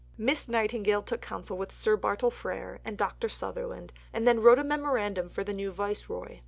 Miss Nightingale took counsel with Sir Bartle Frere and Dr. Sutherland and then wrote a Memorandum for the new Viceroy.